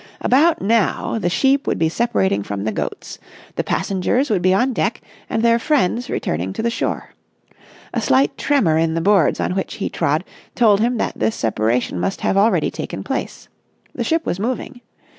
About now, the sheep would be separating from the goats; the passengers would be on deck and their friends returning to the shore. A slight tremor in the boards on which he trod told him that this separation must have already taken place. The ship was moving.